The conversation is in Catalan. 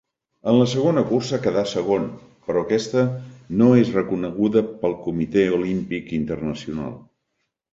En la segona cursa quedà segon, però aquesta no és reconeguda pel Comitè Olímpic Internacional.